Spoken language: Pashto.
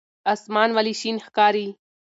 اسمان ولې شین ښکاري؟